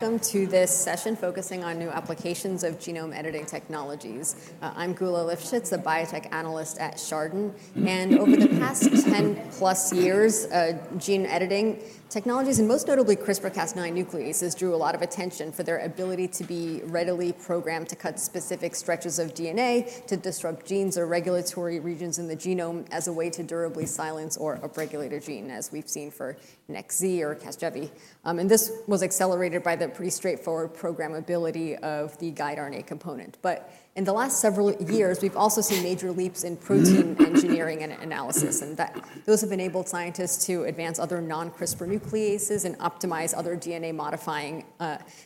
Welcome to this session focusing on new applications of genome editing technologies. I'm Geulah Livshits, a biotech analyst at Chardan. And over the past 10-plus years, gene editing technologies, and most notably CRISPR-Cas9 nucleases, drew a lot of attention for their ability to be readily programmed to cut specific stretches of DNA to disrupt genes or regulatory regions in the genome as a way to durably silence or upregulate a gene, as we've seen for NEXZ or Casgevy. And this was accelerated by the pretty straightforward programmability of the guide RNA component. But in the last several years, we've also seen major leaps in protein engineering and analysis. And those have enabled scientists to advance other non-CRISPR nucleases and optimize other DNA-modifying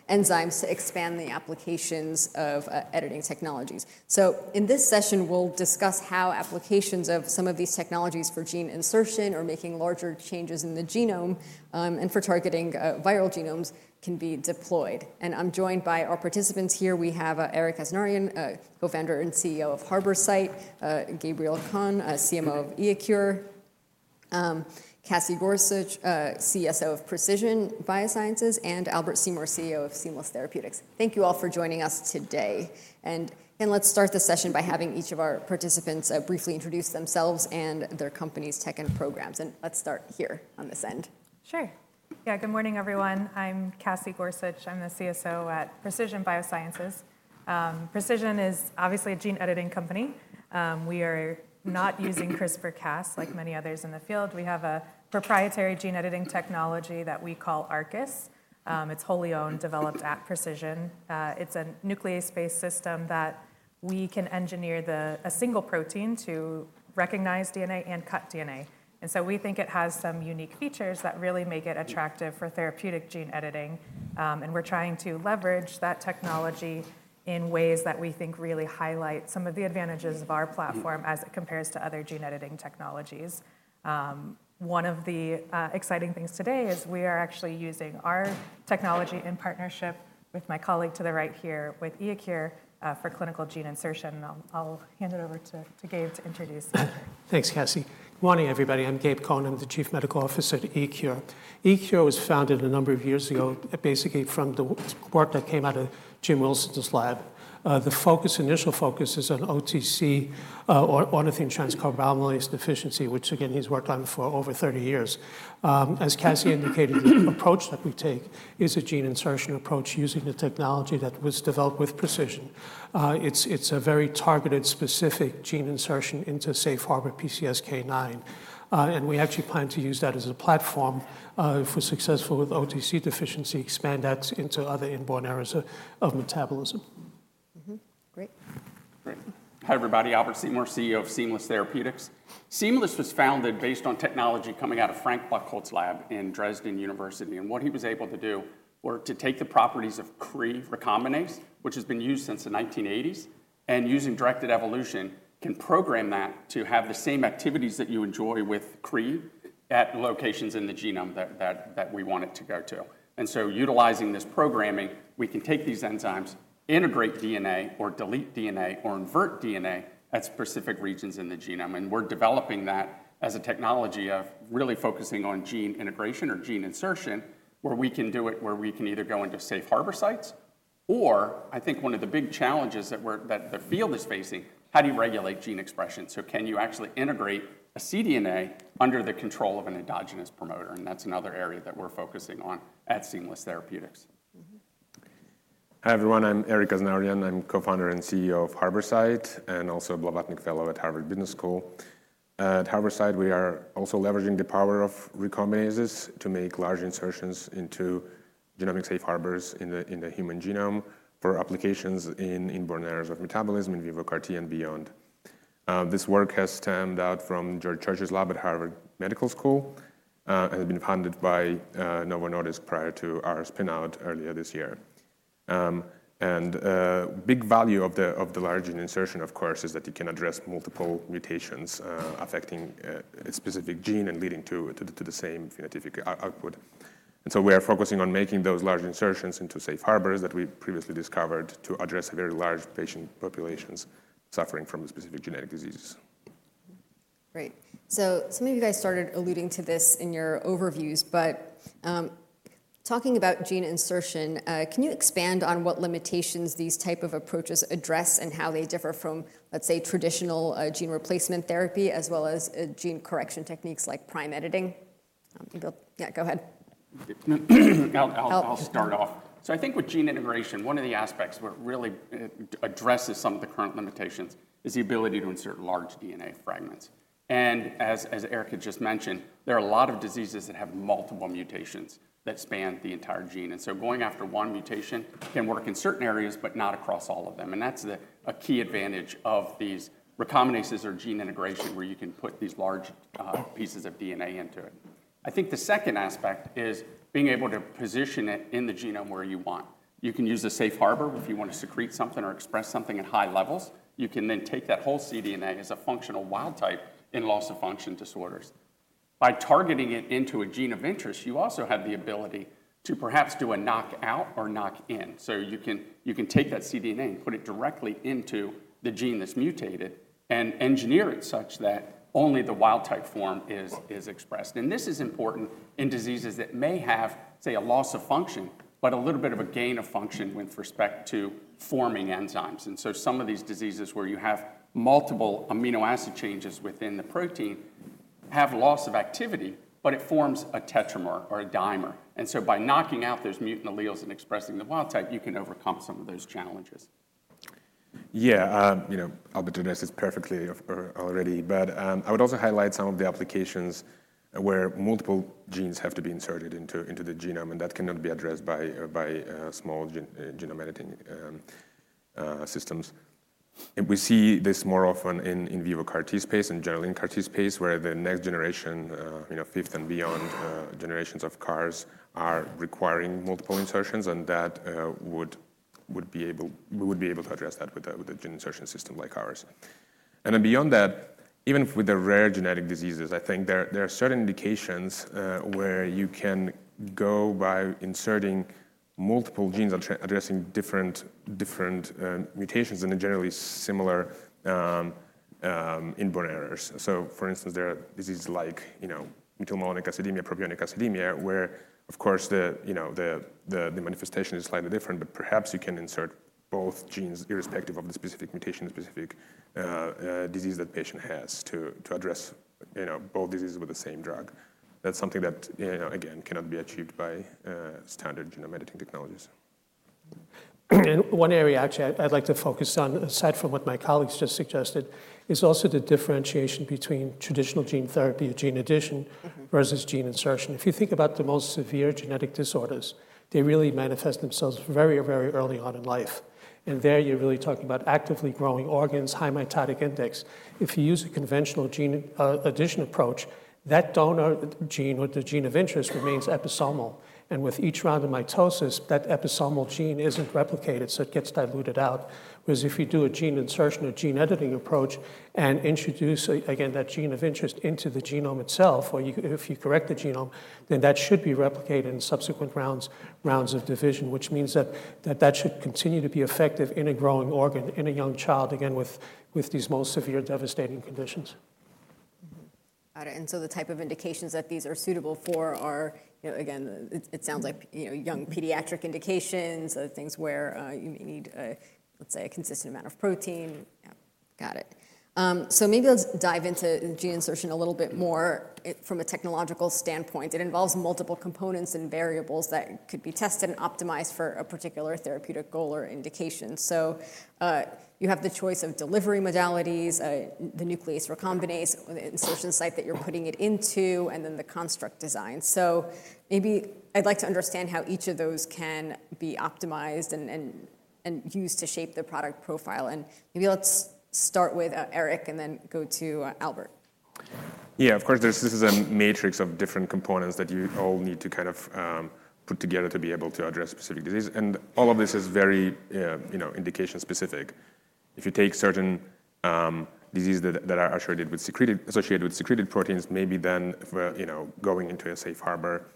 enzymes to expand the applications of editing technologies. So in this session, we'll discuss how applications of some of these technologies for gene insertion or making larger changes in the genome and for targeting viral genomes can be deployed. And I'm joined by our participants here. We have Erik Aznauryan, Co-founder and CEO of HarborSite, Gabriel Cohn, CMO of iECURE, Cassie Gorsuch, CSO of Precision BioSciences, and Albert Seymour, CEO of Seamless Therapeutics. Thank you all for joining us today. And let's start the session by having each of our participants briefly introduce themselves and their companies' tech and programs. And let's start here on this end. Sure. Yeah, good morning, everyone. I'm Cassie Gorsuch. I'm the CSO at Precision BioSciences. Precision is obviously a gene editing company. We are not using CRISPR-Cas like many others in the field. We have a proprietary gene editing technology that we call ARCUS. It's wholly owned, developed at Precision. It's a nuclease-based system that we can engineer a single protein to recognize DNA and cut DNA. And so we think it has some unique features that really make it attractive for therapeutic gene editing. And we're trying to leverage that technology in ways that we think really highlight some of the advantages of our platform as it compares to other gene editing technologies. One of the exciting things today is we are actually using our technology in partnership with my colleague to the right here with iECURE for clinical gene insertion. And I'll hand it over to Gabe to introduce. Thanks, Cassie. Good morning, everybody. I'm Gabe Cohn. I'm the Chief Medical Officer at iECURE. iECURE was founded a number of years ago basically from the work that came out of Jim Wilson's lab. The focus, initial focus, is on OTC, or ornithine transcarbamylase deficiency, which, again, he's worked on for over 30 years. As Cassie indicated, the approach that we take is a gene insertion approach using the technology that was developed with Precision. It's a very targeted, specific gene insertion into safe harbor PCSK9, and we actually plan to use that as a platform, if we're successful with OTC deficiency, expand that into other inborn errors of metabolism. Great. Hi, everybody. Albert Seymour, CEO of Seamless Therapeutics. Seamless was founded based on technology coming out of Frank Buchholz's lab in TU Dresden. And what he was able to do was to take the properties of Cre recombinase, which has been used since the 1980s, and using directed evolution can program that to have the same activities that you enjoy with CRE at locations in the genome that we want it to go to. And so utilizing this programming, we can take these enzymes, integrate DNA, or delete DNA, or invert DNA at specific regions in the genome. And we're developing that as a technology of really focusing on gene integration or gene insertion, where we can do it where we can either go into safe harbor sites. Or I think one of the big challenges that the field is facing is how do you regulate gene expression? Can you actually integrate a cDNA under the control of an endogenous promoter? That's another area that we're focusing on at Seamless Therapeutics. Hi, everyone. I'm Eric Aznaurian. I'm co-founder and CEO of HarborSite and also a Blavatnik Fellow at Harvard Business School. At HarborSite, we are also leveraging the power of recombinases to make large insertions into genomic safe harbors in the human genome for applications in inborn errors of metabolism, in vivo CAR-T, and beyond. This work has stemmed from George Church's lab at Harvard Medical School and has been funded by Novo Nordisk prior to our spin-out earlier this year, and the big value of the large gene insertion, of course, is that you can address multiple mutations affecting a specific gene and leading to the same phenotypic output, and so we are focusing on making those large insertions into safe harbors that we previously discovered to address very large patient populations suffering from specific genetic diseases. Great. So some of you guys started alluding to this in your overviews. But talking about gene insertion, can you expand on what limitations these types of approaches address and how they differ from, let's say, traditional gene replacement therapy as well as gene correction techniques like prime editing? Yeah, go ahead. I'll start off, so I think with gene integration, one of the aspects that really addresses some of the current limitations is the ability to insert large DNA fragments, and as Eric had just mentioned, there are a lot of diseases that have multiple mutations that span the entire gene, and so going after one mutation can work in certain areas, but not across all of them, and that's a key advantage of these recombinases or gene integration, where you can put these large pieces of DNA into it. I think the second aspect is being able to position it in the genome where you want. You can use a safe harbor if you want to secrete something or express something at high levels. You can then take that whole cDNA as a functional wild type in loss of function disorders. By targeting it into a gene of interest, you also have the ability to perhaps do a knock-out or knock-in. So you can take that cDNA and put it directly into the gene that's mutated and engineer it such that only the wild type form is expressed. And this is important in diseases that may have, say, a loss of function, but a little bit of a gain of function with respect to forming enzymes. And so some of these diseases where you have multiple amino acid changes within the protein have loss of activity, but it forms a tetramer or a dimer. And so by knocking out those mutant alleles and expressing the wild type, you can overcome some of those challenges. Yeah, you know, Albert addressed this perfectly already, but I would also highlight some of the applications where multiple genes have to be inserted into the genome, and that cannot be addressed by small genome editing systems, and we see this more often in vivo CAR-T space and generally in CAR-T space, where the next generation, fifth and beyond generations of CARs are requiring multiple insertions, and that would be able to address that with a gene insertion system like ours, and then beyond that, even with the rare genetic diseases, I think there are certain indications where you can go by inserting multiple genes addressing different mutations and generally similar inborn errors, so for instance, there are diseases like methylmalonic acidemia, propionic acidemia, where, of course, the manifestation is slightly different. but perhaps you can insert both genes irrespective of the specific mutation, the specific disease that the patient has to address both diseases with the same drug. That's something that, again, cannot be achieved by standard genome editing technologies. One area actually I'd like to focus on, aside from what my colleagues just suggested, is also the differentiation between traditional gene therapy or gene addition versus gene insertion. If you think about the most severe genetic disorders, they really manifest themselves very, very early on in life. There you're really talking about actively growing organs, high mitotic index. If you use a conventional gene addition approach, that donor gene or the gene of interest remains episomal. With each round of mitosis, that episomal gene isn't replicated, so it gets diluted out. Whereas if you do a gene insertion or gene editing approach and introduce, again, that gene of interest into the genome itself, or if you correct the genome, then that should be replicated in subsequent rounds of division, which means that that should continue to be effective in a growing organ in a young child, again, with these most severe devastating conditions. Got it. And so the type of indications that these are suitable for are, again, it sounds like young pediatric indications, things where you may need, let's say, a consistent amount of protein. Got it. So maybe let's dive into gene insertion a little bit more from a technological standpoint. It involves multiple components and variables that could be tested and optimized for a particular therapeutic goal or indication. So you have the choice of delivery modalities, the nuclease recombinase insertion site that you're putting it into, and then the construct design. So maybe I'd like to understand how each of those can be optimized and used to shape the product profile. And maybe let's start with Eric and then go to Albert. Yeah, of course, this is a matrix of different components that you all need to kind of put together to be able to address specific diseases. And all of this is very indication-specific. If you take certain diseases that are associated with secreted proteins, maybe then going into a safe harbor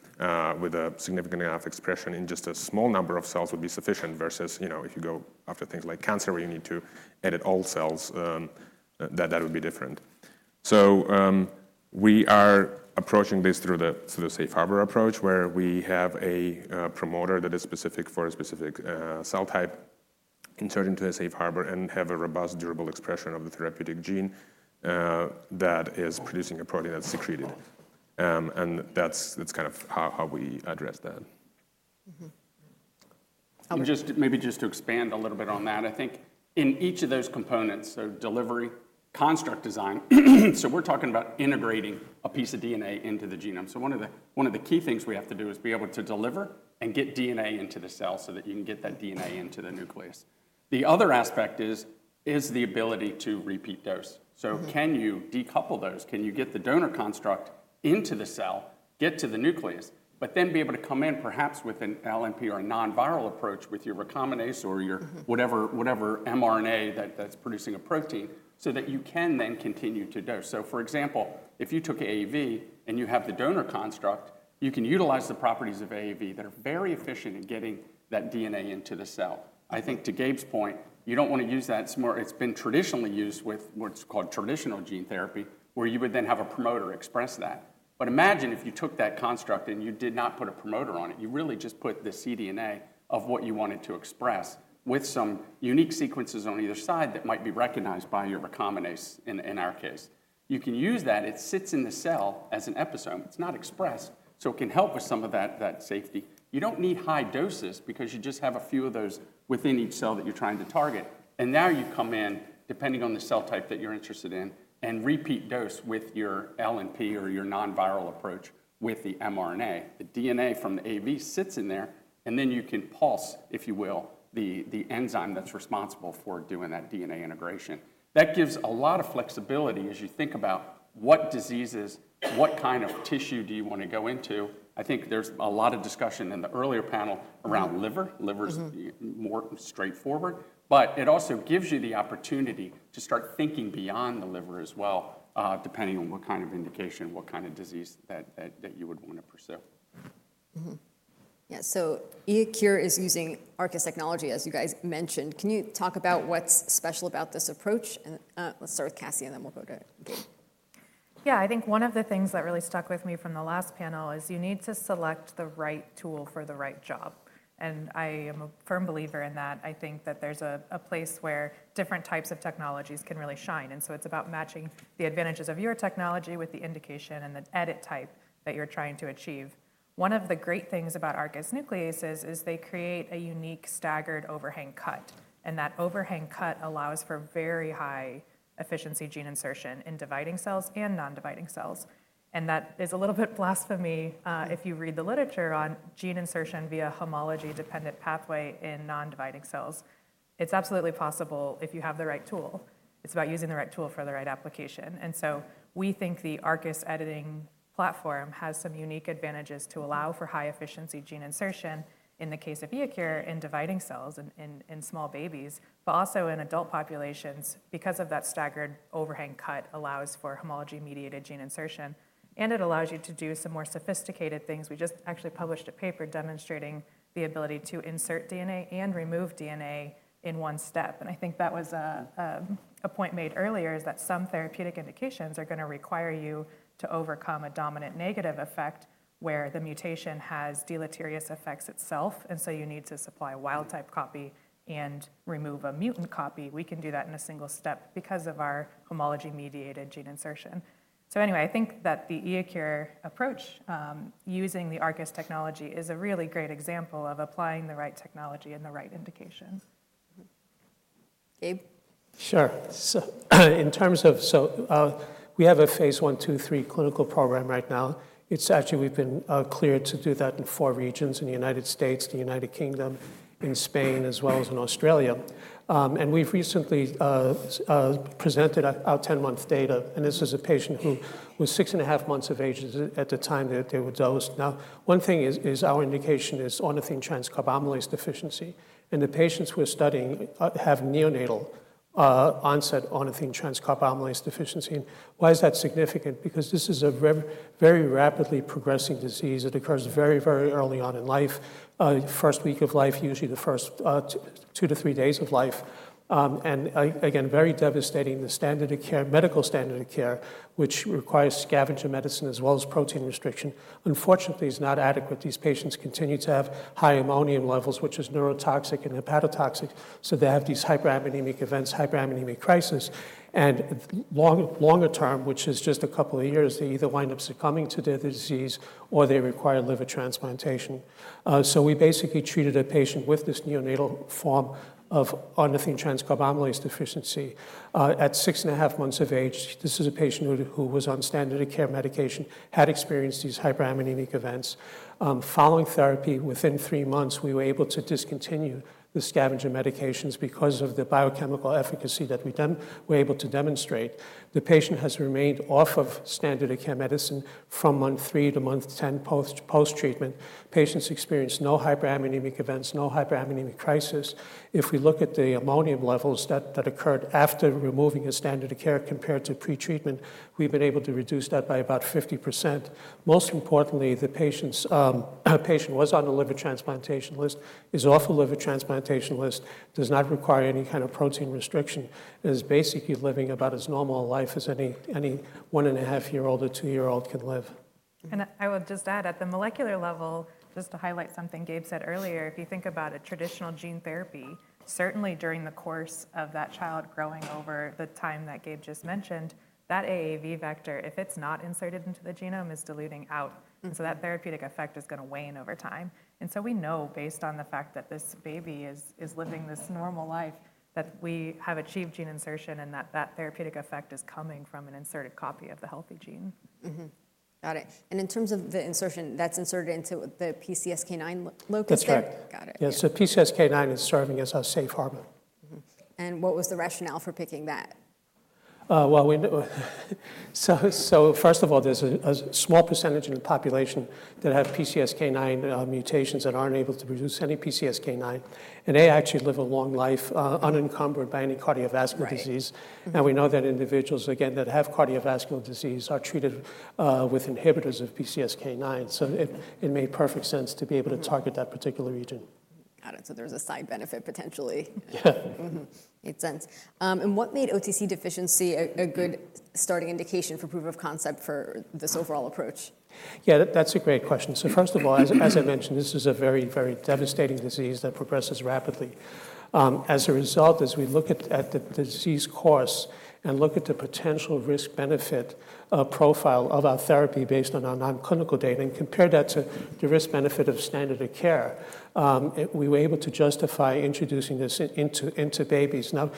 with a significant amount of expression in just a small number of cells would be sufficient versus if you go after things like cancer, where you need to edit all cells, that would be different. So we are approaching this through the safe harbor approach, where we have a promoter that is specific for a specific cell type inserted into a safe harbor and have a robust, durable expression of the therapeutic gene that is producing a protein that's secreted. And that's kind of how we address that. Maybe just to expand a little bit on that, I think in each of those components, so delivery, construct design, so we're talking about integrating a piece of DNA into the genome. So one of the key things we have to do is be able to deliver and get DNA into the cell so that you can get that DNA into the nucleus. The other aspect is the ability to repeat dose. So can you decouple those? Can you get the donor construct into the cell, get to the nucleus, but then be able to come in perhaps with an LNP or a non-viral approach with your recombinase or your whatever mRNA that's producing a protein so that you can then continue to dose? So for example, if you took AAV and you have the donor construct, you can utilize the properties of AAV that are very efficient in getting that DNA into the cell. I think to Gabe's point, you don't want to use that. It's been traditionally used with what's called traditional gene therapy, where you would then have a promoter express that. But imagine if you took that construct and you did not put a promoter on it. You really just put the cDNA of what you wanted to express with some unique sequences on either side that might be recognized by your recombinase, in our case. You can use that. It sits in the cell as an episome. It's not expressed. So it can help with some of that safety. You don't need high doses because you just have a few of those within each cell that you're trying to target. And now you come in, depending on the cell type that you're interested in, and repeat dose with your LNP or your non-viral approach with the mRNA. The DNA from the AAV sits in there, and then you can pulse, if you will, the enzyme that's responsible for doing that DNA integration. That gives a lot of flexibility as you think about what diseases, what kind of tissue do you want to go into. I think there's a lot of discussion in the earlier panel around liver. Liver is more straightforward. But it also gives you the opportunity to start thinking beyond the liver as well, depending on what kind of indication, what kind of disease that you would want to pursue. Yeah, so iECURE is using ARCUS technology, as you guys mentioned. Can you talk about what's special about this approach? And let's start with Cassie, and then we'll go to Gabe. Yeah, I think one of the things that really stuck with me from the last panel is you need to select the right tool for the right job. And I am a firm believer in that. I think that there's a place where different types of technologies can really shine. And so it's about matching the advantages of your technology with the indication and the edit type that you're trying to achieve. One of the great things about ARCUS nucleases is they create a unique staggered overhang cut. And that overhang cut allows for very high efficiency gene insertion in dividing cells and non-dividing cells. And that is a little bit blasphemy if you read the literature on gene insertion via homology-dependent pathway in non-dividing cells. It's absolutely possible if you have the right tool. It's about using the right tool for the right application. And so we think the ARCUS editing platform has some unique advantages to allow for high efficiency gene insertion in the case of iECURE in dividing cells in small babies, but also in adult populations because of that staggered overhang cut allows for homology-mediated gene insertion. And it allows you to do some more sophisticated things. We just actually published a paper demonstrating the ability to insert DNA and remove DNA in one step. And I think that was a point made earlier is that some therapeutic indications are going to require you to overcome a dominant negative effect where the mutation has deleterious effects itself. And so you need to supply a wild type copy and remove a mutant copy. We can do that in a single step because of our homology-mediated gene insertion. So anyway, I think that the iECURE approach using the ARCUS technology is a really great example of applying the right technology and the right indications. Gabe? Sure. So in terms of, we have a phase one, two, three clinical program right now. It's actually, we've been cleared to do that in four regions in the United States, the United Kingdom, in Spain, as well as in Australia, and we've recently presented our 10-month data, and this is a patient who was six and a half months of age at the time that they were dosed. Now, one thing is our indication is ornithine transcarbamylase deficiency, and the patients we're studying have neonatal onset ornithine transcarbamylase deficiency, and why is that significant? Because this is a very rapidly progressing disease. It occurs very, very early on in life, first week of life, usually the first two to three days of life, and again, very devastating. The standard of care, medical standard of care, which requires scavenger medicine as well as protein restriction, unfortunately is not adequate. These patients continue to have high ammonium levels, which is neurotoxic and hepatotoxic, so they have these hyperammonemic events, hyperammonemic crisis, and longer term, which is just a couple of years, they either wind up succumbing to the disease or they require liver transplantation, so we basically treated a patient with this neonatal form of ornithine transcarbamylase deficiency at six and a half months of age. This is a patient who was on standard of care medication, had experienced these hyperammonemic events. Following therapy, within three months, we were able to discontinue the scavenger medications because of the biochemical efficacy that we were able to demonstrate. The patient has remained off of standard of care medicine from month three to month 10 post-treatment. Patients experienced no hyperammonemic events, no hyperammonemic crisis. If we look at the ammonia levels that occurred after removing a standard of care compared to pre-treatment, we've been able to reduce that by about 50%. Most importantly, the patient was on the liver transplantation list, is off the liver transplantation list, does not require any kind of protein restriction, and is basically living about as normal a life as any one and a half year old or two year old can live. And I would just add at the molecular level, just to highlight something Gabe said earlier, if you think about a traditional gene therapy, certainly during the course of that child growing over the time that Gabe just mentioned, that AAV vector, if it's not inserted into the genome, is diluting out. And so that therapeutic effect is going to wane over time. And so we know based on the fact that this baby is living this normal life that we have achieved gene insertion and that that therapeutic effect is coming from an inserted copy of the healthy gene. Got it. And in terms of the insertion that's inserted into the PCSK9 locus? That's correct. Got it. Yeah, so PCSK9 is serving as our safe harbor. What was the rationale for picking that? First of all, there's a small percentage of the population that have PCSK9 mutations that aren't able to produce any PCSK9. They actually live a long life unencumbered by any cardiovascular disease. We know that individuals, again, that have cardiovascular disease are treated with inhibitors of PCSK9. It made perfect sense to be able to target that particular region. Got it. So there's a side benefit potentially. Yeah. Makes sense. And what made OTC deficiency a good starting indication for proof of concept for this overall approach? Yeah, that's a great question. So first of all, as I mentioned, this is a very, very devastating disease that progresses rapidly. As a result, as we look at the disease course and look at the potential risk-benefit profile of our therapy based on our non-clinical data and compare that to the risk-benefit of standard of care, we were able to justify introducing this into babies. Now,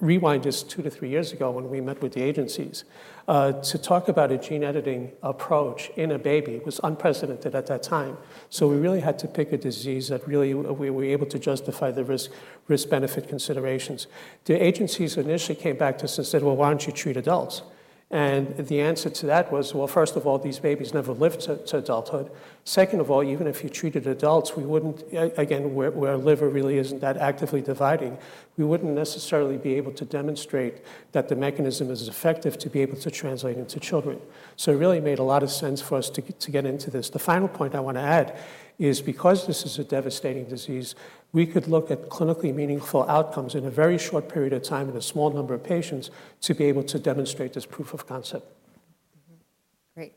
rewind just two to three years ago when we met with the agencies. To talk about a gene editing approach in a baby was unprecedented at that time. So we really had to pick a disease that really we were able to justify the risk-benefit considerations. The agencies initially came back to us and said, "Well, why don't you treat adults?" And the answer to that was, "Well, first of all, these babies never lived to adulthood. Second of all, even if you treated adults, we wouldn't, again, where our liver really isn't that actively dividing, we wouldn't necessarily be able to demonstrate that the mechanism is effective to be able to translate into children," so it really made a lot of sense for us to get into this. The final point I want to add is because this is a devastating disease, we could look at clinically meaningful outcomes in a very short period of time in a small number of patients to be able to demonstrate this proof of concept. Great.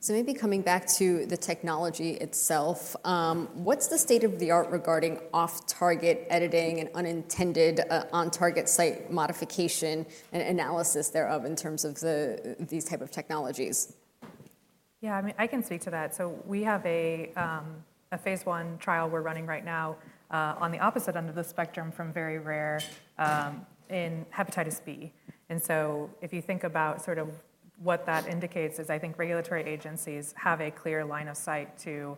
So maybe coming back to the technology itself, what's the state of the art regarding off-target editing and unintended on-target site modification and analysis thereof in terms of these types of technologies? Yeah, I mean, I can speak to that. So we have a phase one trial we're running right now on the opposite end of the spectrum from very rare, in hepatitis B. And so if you think about sort of what that indicates is, I think regulatory agencies have a clear line of sight to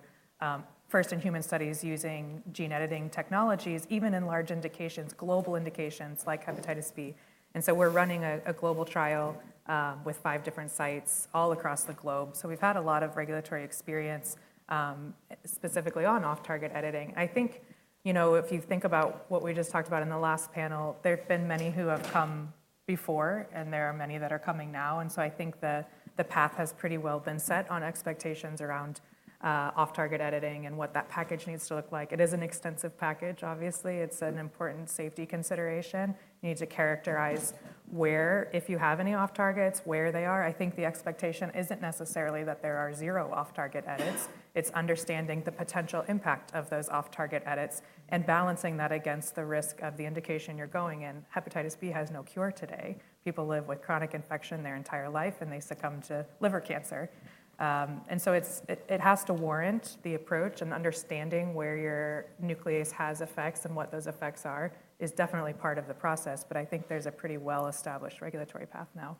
first-in-human studies using gene editing technologies, even in large indications, global indications like hepatitis B. And so we're running a global trial with five different sites all across the globe. So we've had a lot of regulatory experience specifically on off-target editing. I think if you think about what we just talked about in the last panel, there have been many who have come before, and there are many that are coming now. And so I think the path has pretty well been set on expectations around off-target editing and what that package needs to look like. It is an extensive package, obviously. It's an important safety consideration. You need to characterize where, if you have any off-targets, where they are. I think the expectation isn't necessarily that there are zero off-target edits. It's understanding the potential impact of those off-target edits and balancing that against the risk of the indication you're going in. Hepatitis B has no cure today. People live with chronic infection their entire life, and they succumb to liver cancer. And so it has to warrant the approach and understanding where your nuclease has effects and what those effects are is definitely part of the process. But I think there's a pretty well-established regulatory path now.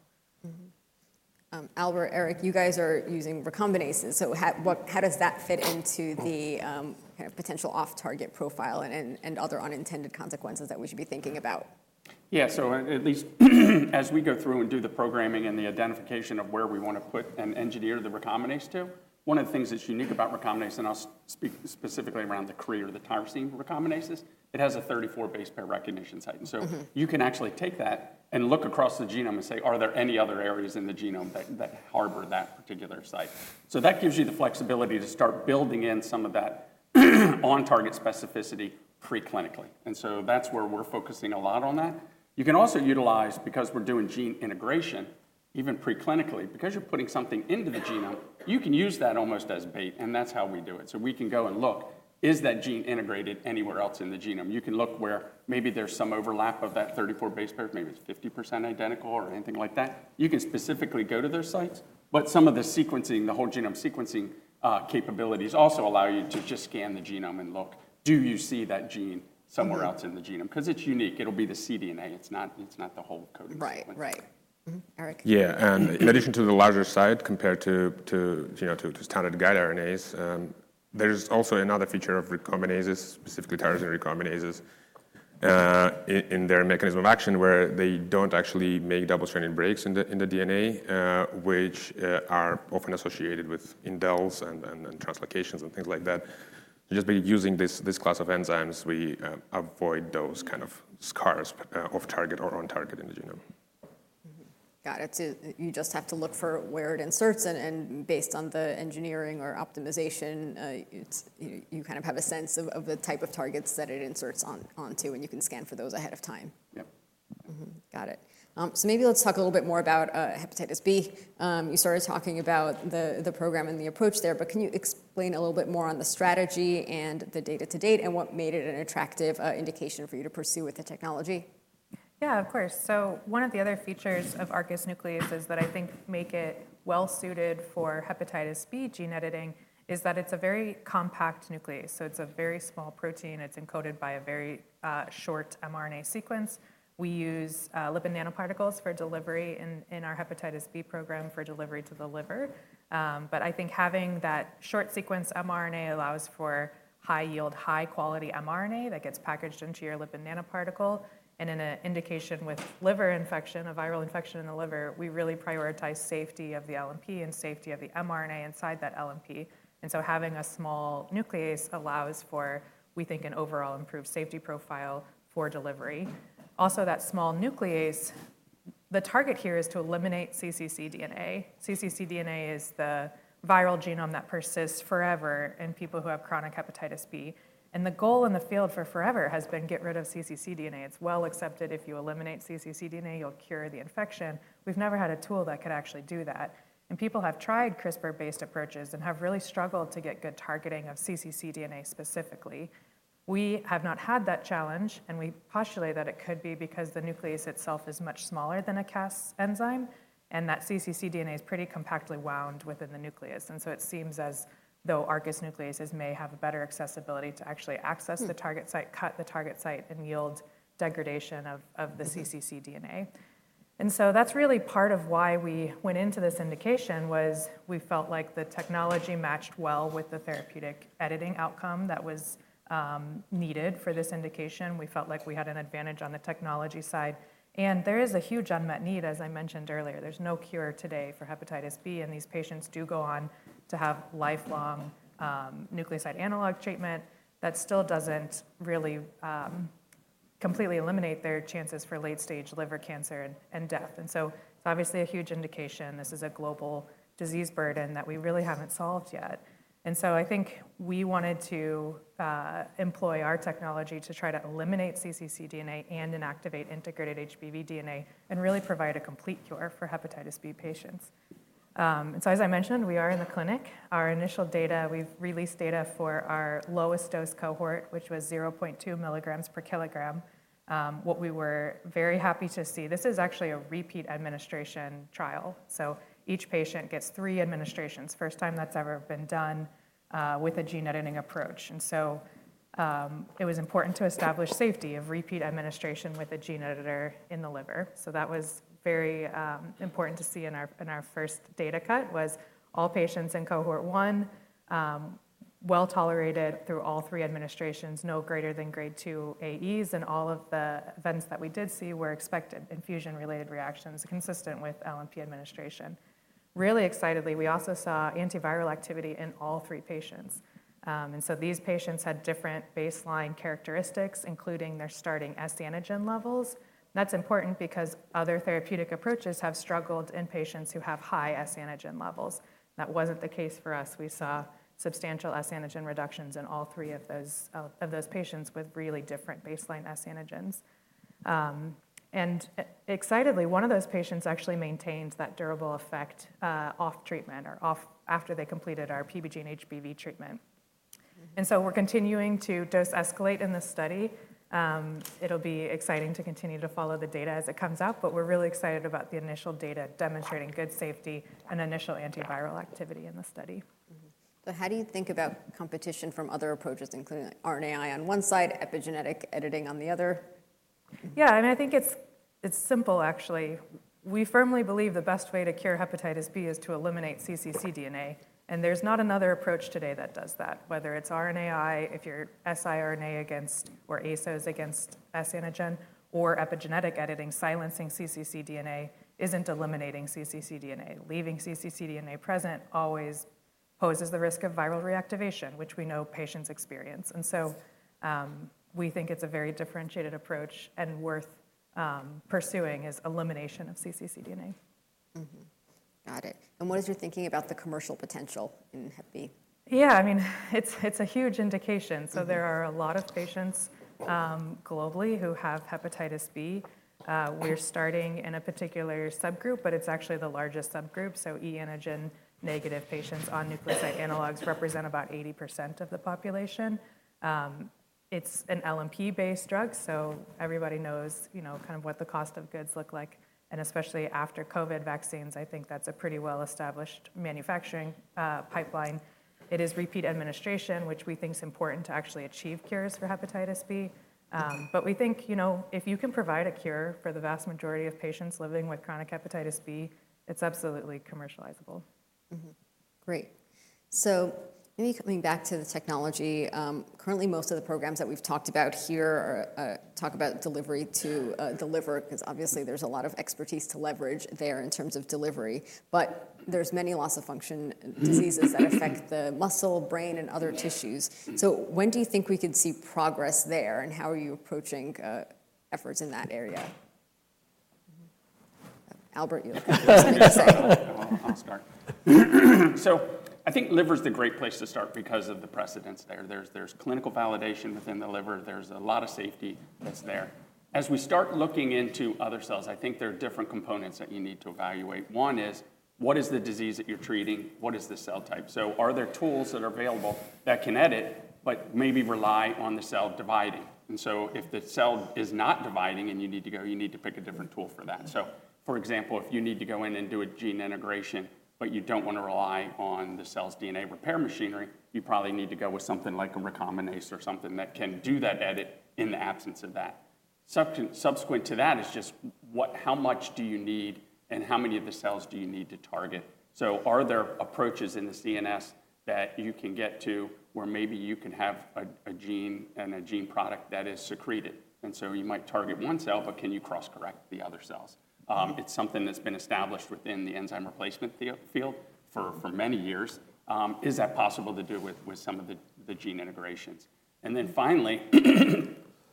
Al or Eric, you guys are using recombinases. So how does that fit into the kind of potential off-target profile and other unintended consequences that we should be thinking about? Yeah, so at least as we go through and do the programming and the identification of where we want to put and engineer the recombinase to, one of the things that's unique about recombinase, and I'll speak specifically around the Cre or the tyrosine recombinases, it has a 34 base pair recognition site. And so you can actually take that and look across the genome and say, "Are there any other areas in the genome that harbor that particular site?" So that gives you the flexibility to start building in some of that on-target specificity preclinically. And so that's where we're focusing a lot on that. You can also utilize, because we're doing gene integration, even preclinically, because you're putting something into the genome, you can use that almost as bait, and that's how we do it. So we can go and look, "Is that gene integrated anywhere else in the genome?" You can look where maybe there's some overlap of that 34 base pair, maybe it's 50% identical or anything like that. You can specifically go to their sites, but some of the sequencing, the whole genome sequencing capabilities also allow you to just scan the genome and look, "Do you see that gene somewhere else in the genome?" Because it's unique. It'll be the cDNA. It's not the whole code. Right. Right. Eric. Yeah, and in addition to the larger site compared to standard guide RNAs, there's also another feature of recombinases, specifically tyrosine recombinases, in their mechanism of action where they don't actually make double-stranded breaks in the DNA, which are often associated with indels and translocations and things like that. Just by using this class of enzymes, we avoid those kind of scars off-target or on-target in the genome. Got it. So you just have to look for where it inserts. And based on the engineering or optimization, you kind of have a sense of the type of targets that it inserts onto, and you can scan for those ahead of time. Yeah. Got it. So maybe let's talk a little bit more about Hepatitis B. You started talking about the program and the approach there, but can you explain a little bit more on the strategy and the data to date and what made it an attractive indication for you to pursue with the technology? Yeah, of course. So one of the other features of ARCUS nucleases that I think make it well-suited for hepatitis B gene editing is that it's a very compact nuclease. So it's a very small protein. It's encoded by a very short mRNA sequence. We use lipid nanoparticles for delivery in our hepatitis B program for delivery to the liver. But I think having that short sequence mRNA allows for high-yield, high-quality mRNA that gets packaged into your lipid nanoparticle. And in an indication with liver infection, a viral infection in the liver, we really prioritize safety of the LNP and safety of the mRNA inside that LNP. And so having a small nuclease allows for, we think, an overall improved safety profile for delivery. Also, that small nuclease, the target here is to eliminate cccDNA. cccDNA is the viral genome that persists forever in people who have chronic Hepatitis B, and the goal in the field for forever has been to get rid of cccDNA. It's well accepted if you eliminate cccDNA, you'll cure the infection. We've never had a tool that could actually do that, and people have tried CRISPR-based approaches and have really struggled to get good targeting of cccDNA specifically. We have not had that challenge, and we postulate that it could be because the nuclease itself is much smaller than a Cas enzyme and that cccDNA is pretty compactly wound within the nucleus, and so it seems as though ARCUS nucleases may have a better accessibility to actually access the target site, cut the target site, and yield degradation of the cccDNA. And so that's really part of why we went into this indication was we felt like the technology matched well with the therapeutic editing outcome that was needed for this indication. We felt like we had an advantage on the technology side. And there is a huge unmet need, as I mentioned earlier. There's no cure today for hepatitis B, and these patients do go on to have lifelong nucleoside analog treatment that still doesn't really completely eliminate their chances for late-stage liver cancer and death. And so it's obviously a huge indication. This is a global disease burden that we really haven't solved yet. And so I think we wanted to employ our technology to try to eliminate cccDNA and inactivate integrated HBV DNA and really provide a complete cure for hepatitis B patients. And so, as I mentioned, we are in the clinic. Our initial data, we've released data for our lowest dose cohort, which was 0.2 milligrams per kilogram, what we were very happy to see. This is actually a repeat administration trial, so each patient gets three administrations, first time that's ever been done with a gene editing approach, and so it was important to establish safety of repeat administration with a gene editor in the liver, so that was very important to see in our first data cut was all patients in cohort one, well tolerated through all three administrations, no greater than grade two AEs, and all of the events that we did see were expected infusion-related reactions consistent with LNP administration. Really excitedly, we also saw antiviral activity in all three patients, and so these patients had different baseline characteristics, including their starting S antigen levels. That's important because other therapeutic approaches have struggled in patients who have high S antigen levels. That wasn't the case for us. We saw substantial S antigen reductions in all three of those patients with really different baseline S antigens. And excitedly, one of those patients actually maintained that durable effect off treatment or after they completed our PBGENE-HBV treatment. And so we're continuing to dose escalate in this study. It'll be exciting to continue to follow the data as it comes out, but we're really excited about the initial data demonstrating good safety and initial antiviral activity in the study. So how do you think about competition from other approaches, including RNAi on one side, epigenetic editing on the other? Yeah, I mean, I think it's simple, actually. We firmly believe the best way to cure hepatitis B is to eliminate cccDNA. And there's not another approach today that does that. Whether it's RNAi, if you're siRNA against or ASOs against S antigen, or epigenetic editing, silencing cccDNA isn't eliminating cccDNA. Leaving cccDNA present always poses the risk of viral reactivation, which we know patients experience. And so we think it's a very differentiated approach and worth pursuing is elimination of cccDNA. Got it, and what is your thinking about the commercial potential in Hep B? Yeah, I mean, it's a huge indication, so there are a lot of patients globally who have hepatitis B. We're starting in a particular subgroup, but it's actually the largest subgroup, so e-antigen negative patients on nucleoside analogs represent about 80% of the population. It's an LNP-based drug, so everybody knows kind of what the cost of goods look like, and especially after COVID vaccines, I think that's a pretty well-established manufacturing pipeline. It is repeat administration, which we think is important to actually achieve cures for hepatitis B, but we think if you can provide a cure for the vast majority of patients living with chronic hepatitis B, it's absolutely commercializable. Great. So maybe coming back to the technology, currently most of the programs that we've talked about here talk about delivery to deliver because obviously there's a lot of expertise to leverage there in terms of delivery, but there's many loss-of-function diseases that affect the muscle, brain, and other tissues. So when do you think we could see progress there, and how are you approaching efforts in that area? Albert, you'll start. So I think liver is the great place to start because of the precedents there. There's clinical validation within the liver. There's a lot of safety that's there. As we start looking into other cells, I think there are different components that you need to evaluate. One is, what is the disease that you're treating? What is the cell type? So are there tools that are available that can edit, but maybe rely on the cell dividing? And so if the cell is not dividing and you need to go, you need to pick a different tool for that. So for example, if you need to go in and do a gene integration, but you don't want to rely on the cell's DNA repair machinery, you probably need to go with something like a recombinase or something that can do that edit in the absence of that. Subsequent to that is just how much do you need and how many of the cells do you need to target? So are there approaches in the CNS that you can get to where maybe you can have a gene and a gene product that is secreted? And so you might target one cell, but can you cross-correct the other cells? It's something that's been established within the enzyme replacement field for many years. Is that possible to do with some of the gene integrations? And then finally,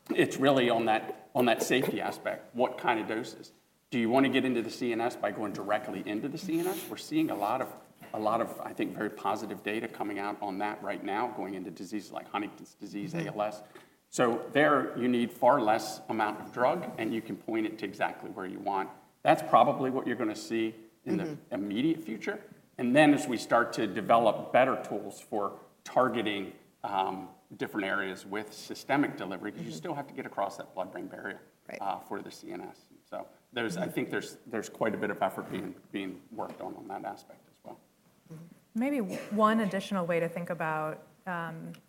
it's really on that safety aspect, what kind of doses? Do you want to get into the CNS by going directly into the CNS? We're seeing a lot of, I think, very positive data coming out on that right now, going into diseases like Huntington's disease, ALS. So there you need a far less amount of drug, and you can point it to exactly where you want. That's probably what you're going to see in the immediate future. And then as we start to develop better tools for targeting different areas with systemic delivery, because you still have to get across that blood-brain barrier for the CNS. So I think there's quite a bit of effort being worked on that aspect as well. Maybe one additional way to think about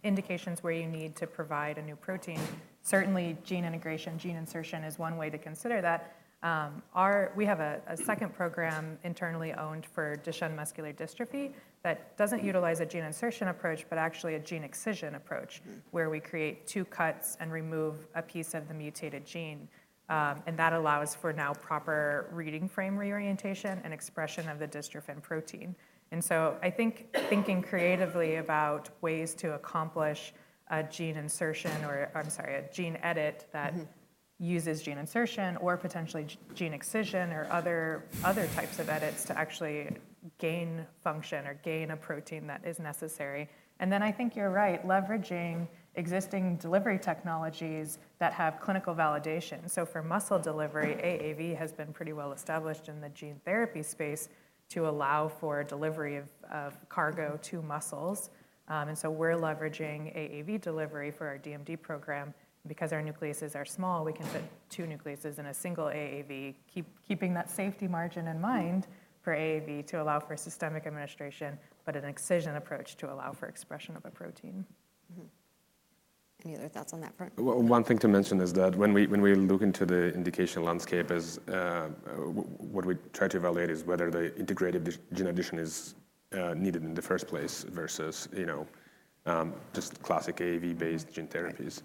indications where you need to provide a new protein. Certainly gene integration, gene insertion is one way to consider that. We have a second program internally owned for Duchenne muscular dystrophy that doesn't utilize a gene insertion approach, but actually a gene excision approach where we create two cuts and remove a piece of the mutated gene. And that allows for now proper reading frame reorientation and expression of the dystrophin protein. And so I think thinking creatively about ways to accomplish a gene insertion or, I'm sorry, a gene edit that uses gene insertion or potentially gene excision or other types of edits to actually gain function or gain a protein that is necessary. And then I think you're right, leveraging existing delivery technologies that have clinical validation. So for muscle delivery, AAV has been pretty well established in the gene therapy space to allow for delivery of cargo to muscles. And so we're leveraging AAV delivery for our DMD program. Because our nucleases are small, we can fit two nucleases in a single AAV, keeping that safety margin in mind for AAV to allow for systemic administration, but an excision approach to allow for expression of a protein. Any other thoughts on that front? One thing to mention is that when we look into the indication landscape, what we try to evaluate is whether the integrative gene addition is needed in the first place versus just classic AAV-based gene therapies.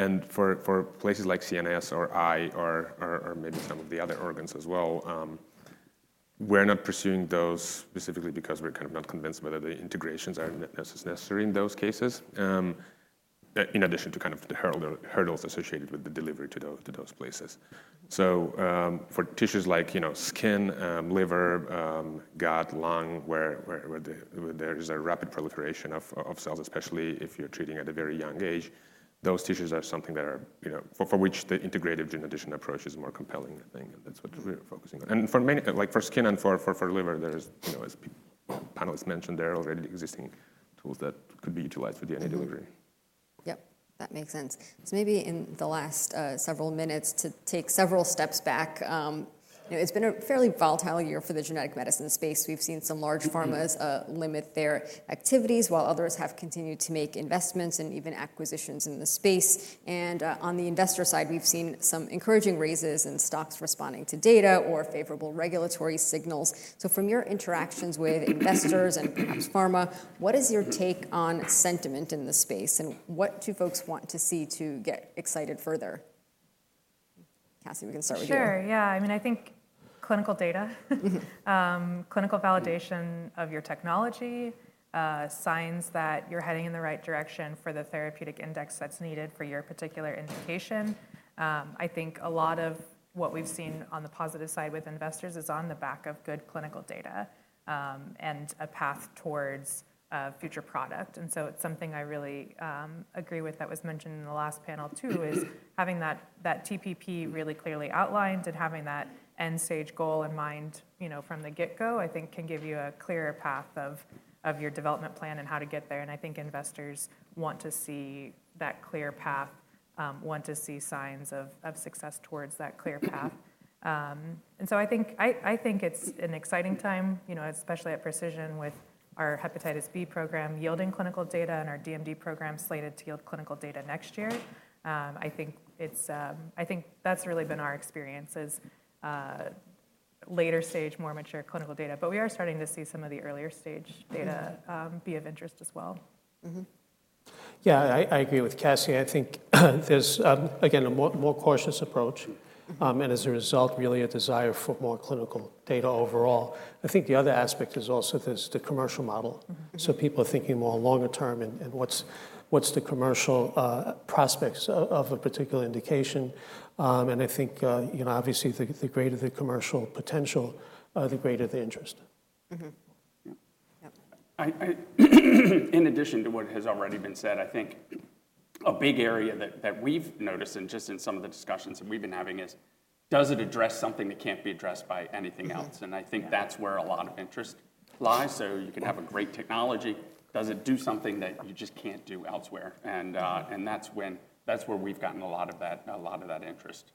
And for places like CNS or eye or maybe some of the other organs as well, we're not pursuing those specifically because we're kind of not convinced whether the integrations are necessary in those cases, in addition to kind of the hurdles associated with the delivery to those places. So for tissues like skin, liver, gut, lung, where there is a rapid proliferation of cells, especially if you're treating at a very young age, those tissues are something that are for which the integrative gene addition approach is more compelling, I think. And that's what we're focusing on. And for skin and for liver, there is, as panelists mentioned, there are already existing tools that could be utilized for DNA delivery. Yep, that makes sense. So maybe in the last several minutes, to take several steps back, it's been a fairly volatile year for the genetic medicine space. We've seen some large pharmas limit their activities while others have continued to make investments and even acquisitions in the space. And on the investor side, we've seen some encouraging raises in stocks responding to data or favorable regulatory signals. So from your interactions with investors and perhaps pharma, what is your take on sentiment in the space and what do folks want to see to get excited further? Cassie, we can start with you. Sure. Yeah, I mean, I think clinical data, clinical validation of your technology, signs that you're heading in the right direction for the therapeutic index that's needed for your particular indication. I think a lot of what we've seen on the positive side with investors is on the back of good clinical data and a path towards a future product. And so it's something I really agree with that was mentioned in the last panel too, is having that TPP really clearly outlined and having that end-stage goal in mind from the get-go, I think can give you a clearer path of your development plan and how to get there. And I think investors want to see that clear path, want to see signs of success towards that clear path. And so I think it's an exciting time, especially at Precision with our hepatitis B program yielding clinical data and our DMD program slated to yield clinical data next year. I think that's really been our experience, is later-stage, more mature clinical data, but we are starting to see some of the earlier-stage data be of interest as well. Yeah, I agree with Cassie. I think there's, again, a more cautious approach and as a result, really a desire for more clinical data overall. I think the other aspect is also the commercial model. So people are thinking more longer term and what's the commercial prospects of a particular indication. And I think obviously the greater the commercial potential, the greater the interest. In addition to what has already been said, I think a big area that we've noticed and just in some of the discussions that we've been having is, does it address something that can't be addressed by anything else? And I think that's where a lot of interest lies. So you can have a great technology, does it do something that you just can't do elsewhere? And that's where we've gotten a lot of that interest.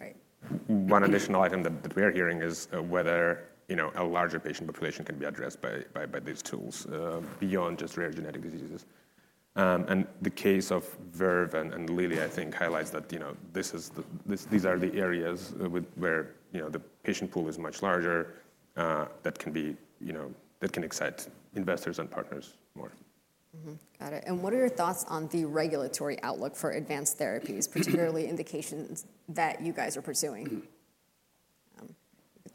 Right. One additional item that we are hearing is whether a larger patient population can be addressed by these tools beyond just rare genetic diseases. And the case of Verve and Lilly, I think, highlights that these are the areas where the patient pool is much larger that can excite investors and partners more. Got it. And what are your thoughts on the regulatory outlook for advanced therapies, particularly indications that you guys are pursuing?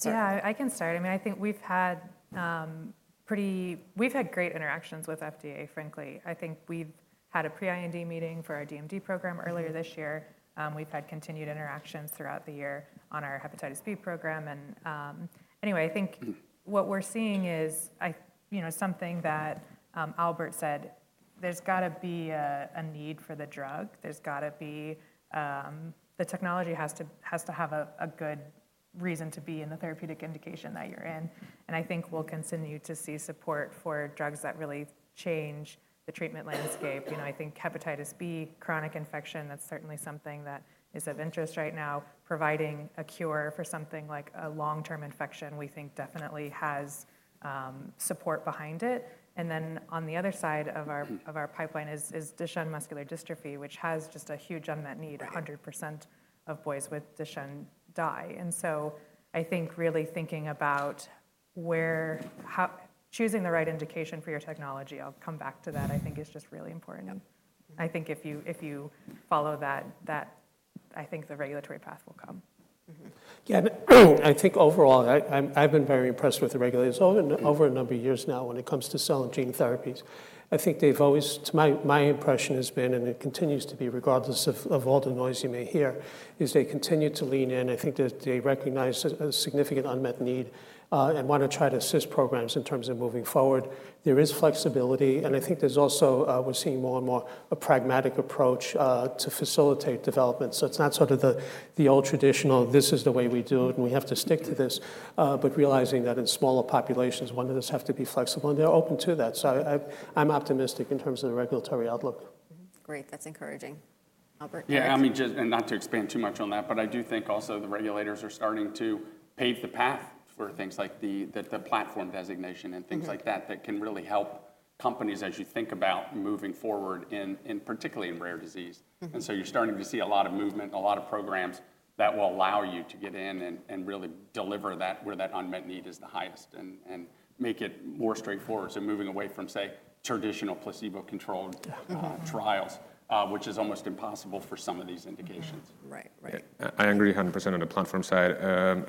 Yeah, I can start. I mean, I think we've had pretty great interactions with FDA, frankly. I think we've had a pre-IND meeting for our DMD program earlier this year. We've had continued interactions throughout the year on our Hepatitis B program. And anyway, I think what we're seeing is something that Albert said, there's got to be a need for the drug. There's got to be the technology has to have a good reason to be in the therapeutic indication that you're in. And I think we'll continue to see support for drugs that really change the treatment landscape. I think Hepatitis B, chronic infection, that's certainly something that is of interest right now. Providing a cure for something like a long-term infection, we think definitely has support behind it. And then on the other side of our pipeline is Duchenne muscular dystrophy, which has just a huge unmet need. 100% of boys with Duchenne die. And so I think really thinking about choosing the right indication for your technology, I'll come back to that, I think is just really important. I think if you follow that, I think the regulatory path will come. Yeah, I think overall, I've been very impressed with the regulators over a number of years now when it comes to cell and gene therapies. I think they've always, to my impression, has been, and it continues to be regardless of all the noise you may hear, is they continue to lean in. I think that they recognize a significant unmet need and want to try to assist programs in terms of moving forward. There is flexibility, and I think there's also, we're seeing more and more a pragmatic approach to facilitate development, so it's not sort of the old traditional, this is the way we do it and we have to stick to this, but realizing that in smaller populations, one of us has to be flexible and they're open to that, so I'm optimistic in terms of the regulatory outlook. Great. That's encouraging. Albert? Yeah, I mean, and not to expand too much on that, but I do think also the regulators are starting to pave the path for things like the platform designation and things like that that can really help companies as you think about moving forward in particularly in rare disease, and so you're starting to see a lot of movement, a lot of programs that will allow you to get in and really deliver where that unmet need is the highest and make it more straightforward, so moving away from, say, traditional placebo-controlled trials, which is almost impossible for some of these indications. Right, right. I agree 100% on the platform side. And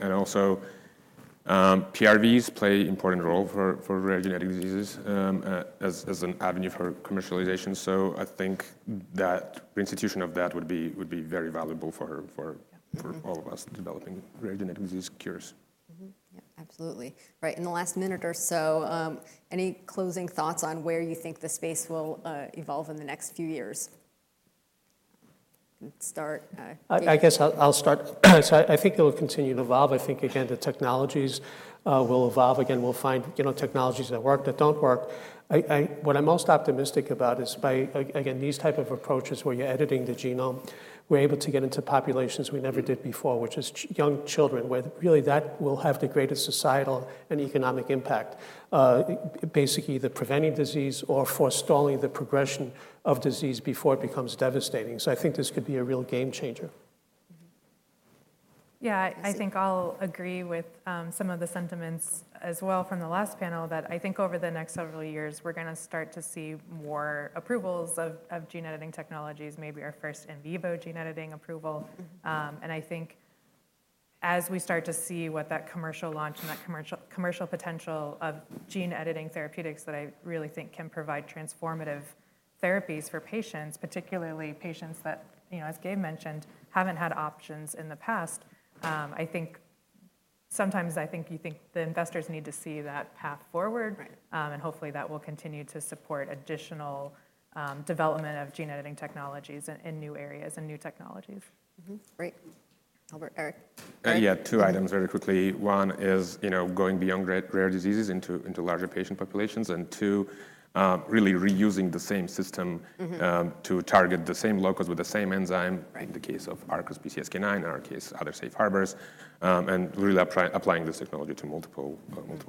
also PRVs play an important role for rare genetic diseases as an avenue for commercialization. So I think that the institution of that would be very valuable for all of us developing rare genetic disease cures. Yeah, absolutely. Right. In the last minute or so, any closing thoughts on where you think the space will evolve in the next few years? Start. I guess I'll start. So I think it will continue to evolve. I think, again, the technologies will evolve. Again, we'll find technologies that work, that don't work. What I'm most optimistic about is, again, these types of approaches where you're editing the genome, we're able to get into populations we never did before, which is young children, where really that will have the greatest societal and economic impact, basically either preventing disease or forestalling the progression of disease before it becomes devastating. So I think this could be a real game changer. Yeah, I think I'll agree with some of the sentiments as well from the last panel that I think over the next several years, we're going to start to see more approvals of gene editing technologies, maybe our first in vivo gene editing approval. And I think as we start to see what that commercial launch and that commercial potential of gene editing therapeutics that I really think can provide transformative therapies for patients, particularly patients that, as Gabe mentioned, haven't had options in the past, I think sometimes I think you think the investors need to see that path forward. And hopefully that will continue to support additional development of gene editing technologies in new areas and new technologies. Great. Albert, Eric. Yeah, two items very quickly. One is going beyond rare diseases into larger patient populations, and two, really reusing the same system to target the same loci with the same enzyme in the case of ARCUS, PCSK9, in our case, other safe harbors, and really applying this technology to multiple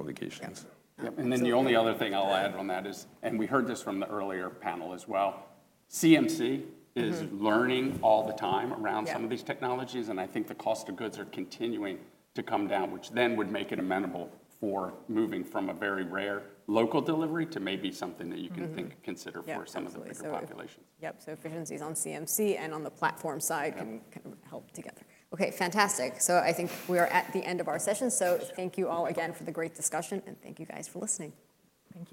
indications. Yep. And then the only other thing I'll add on that is, and we heard this from the earlier panel as well, CMC is learning all the time around some of these technologies. And I think the cost of goods are continuing to come down, which then would make it amenable for moving from a very rare local delivery to maybe something that you can think consider for some of the bigger populations. Yep, so efficiencies on CMC and on the platform side can help together. Okay, fantastic, so I think we are at the end of our session, so thank you all again for the great discussion, and thank you guys for listening. Thank you.